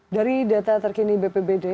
dari data terkini bpbd